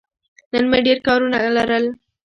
نن مې ډېر کارونه لرل.